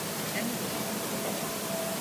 Я не думаю, што гэта так.